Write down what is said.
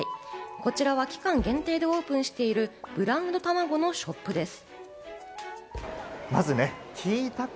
こちらは期間限定でオープンしているブランドたまごのショップです。